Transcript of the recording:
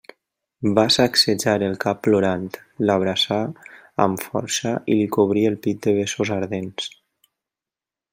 Va sacsejar el cap plorant, l'abraçà amb força i li cobrí el pit de besos ardents.